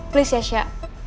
please ya sya